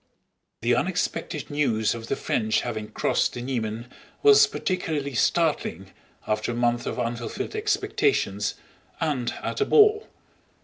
The unexpected news of the French having crossed the Niemen was particularly startling after a month of unfulfilled expectations, and at a ball.